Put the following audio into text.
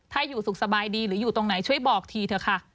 ถ้าอยู่สุขสบายดีหรืออยู่ตรงไหนช่วยบอกทีเถอะค่ะ